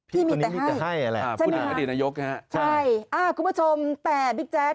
พี่คนนี้มีแต่ให้ใช่ไหมคะคุณผู้ชมแต่บิ๊กแจ๊ด